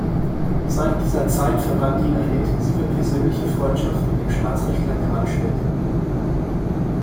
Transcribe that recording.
Seit dieser Zeit verband ihn eine intensive persönliche Freundschaft mit dem Staatsrechtler Carl Schmitt.